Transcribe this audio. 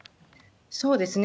そうですね。